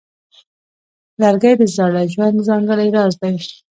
لرګی د زاړه ژوند ځانګړی راز دی.